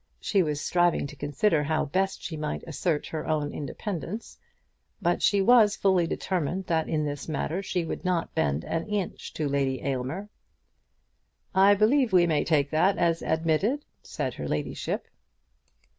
She was striving to consider how best she might assert her own independence. But she was fully determined that in this matter she would not bend an inch to Lady Aylmer. "I believe we may take that as admitted?" said her ladyship.